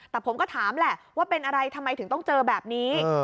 แต่ผมก็ถามแหละว่าเป็นอะไรทำไมถึงต้องเจอแบบนี้